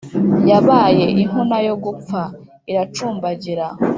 yabaye inkuna yo gupfa, iracumbagira